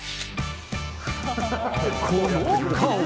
この顔！